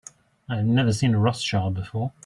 I have never seen a Rothschild before.